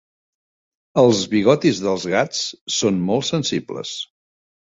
Els bigotis dels gats són molt sensibles.